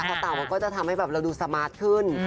พอเต่ามันก็จะทำให้แบบเราดูสมาร์ทขึ้น